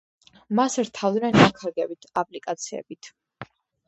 მას რთავდნენ ნაქარგებით, აპლიკაციებით.